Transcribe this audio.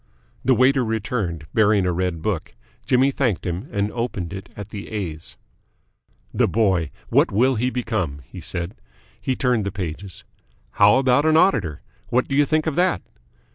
The waiter returned, bearing a red book. Jimmy thanked him and opened it at the A's. "The boy, what will he become?" he said. He turned the pages. "How about an Auditor? What do you think of that?"